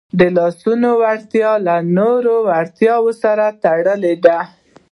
د لاسونو وړتیا له نورو وړتیاوو سره تړلې ده.